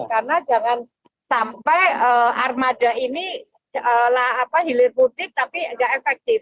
karena jangan sampai armada ini hilir mudik tapi nggak efektif